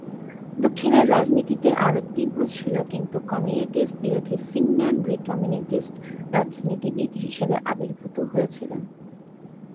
দক্ষিণের রাজনীতিতে আরও তীব্র ছিল, কিন্তু কমিউনিস্ট বিরোধী সিং ম্যান রি কমিউনিস্ট রাজনীতিবিদ হিসেবে আবির্ভূত হয়েছিলেন।